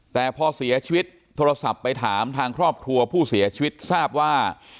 แต่พอเสียชีวิตโทรศัพท์ไปถามทางครอบครัวผู้เสียชีวิตทราบว่า